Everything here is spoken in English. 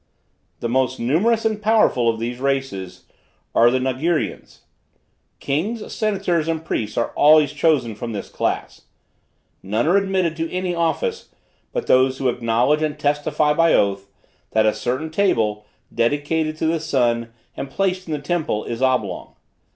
The most numerous and powerful of these races, are the Nagirians. Kings, senators and priests are always chosen from this class. None are admitted to any office, but those who acknowledge and testify by oath, that a certain table, dedicated to the sun and placed in the temple, is oblong.